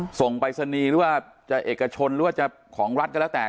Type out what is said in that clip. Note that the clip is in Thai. ปรายศนีย์หรือว่าจะเอกชนหรือว่าจะของรัฐก็แล้วแต่